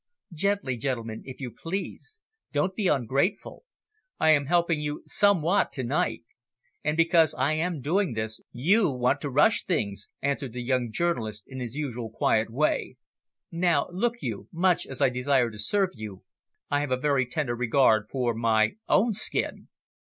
"Gently, gentlemen, if you please. Don't be ungrateful. I am helping you somewhat to night. And because I am doing this, you want to rush things," answered the young journalist in his usual quiet way. "Now, look you, much as I desire to serve you, I have a very tender regard for my own skin."